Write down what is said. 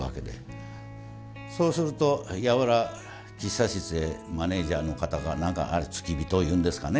そうするとやわら喫茶室へマネージャーの方か何か付き人ゆうんですかね